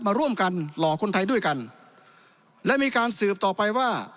มาร่วมกันหล่อคนไทยด้วยกันและมีการสืบต่อไปว่า